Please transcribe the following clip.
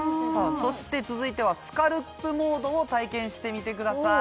そして続いてはスカルプモードを体験してみてください